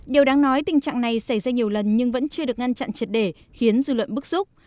điều đáng nói tình trạng này xảy ra nhiều lần nhưng vẫn chưa được ngăn chặn triệt để khiến dư luận bức xúc